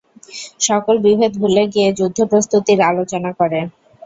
সকল বিভেদ ভুলে গিয়ে যুদ্ধ প্রস্তুতির আলোচনা করে।